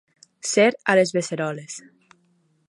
Ser a les beceroles.